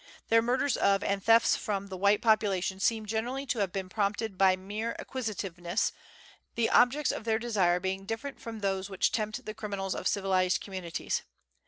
Their murders of and thefts from the white population seem generally to have been prompted by mere acquisitiveness, the objects of their desire being different from those which tempt the criminals of civilized communities.